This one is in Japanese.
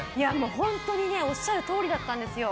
本当にねおっしゃるとおりだったんですよ。